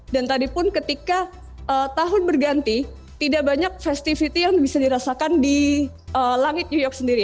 dan tadi pun ketika tahun berganti tidak banyak festivity yang bisa dirasakan di langit new york sendiri